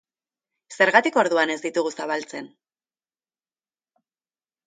Zergatik orduan ez ditugu zabaltzen?